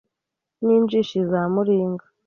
N'injishi za Muringa